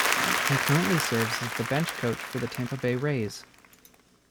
He currently serves as the bench coach for the Tampa Bay Rays.